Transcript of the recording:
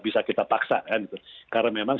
bisa kita paksakan karena memang